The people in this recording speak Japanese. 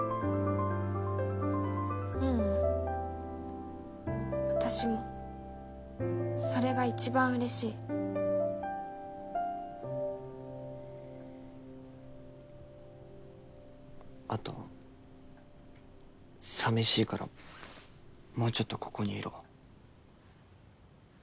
ううん私もそれが一番うれしいあとさみしいからもうちょっとここにいろ